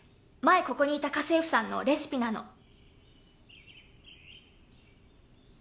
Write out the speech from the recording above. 前ここにいた家政婦さんのレシピなの。